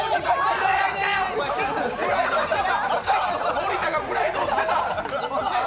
森田がプライドを捨てた！